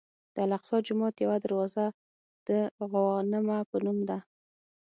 د الاقصی جومات یوه دروازه د غوانمه په نوم ده.